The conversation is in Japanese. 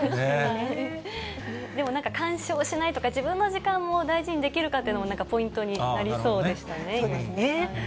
でもなんか、干渉しないとか、自分の時間も大事にできるかっていうのもポイントになりそうでしそうですね。